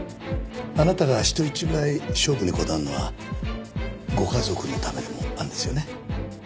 あなたが人一倍勝負にこだわるのはご家族のためでもあるんですよね？